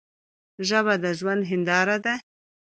ژبه د ژوند هنداره ده.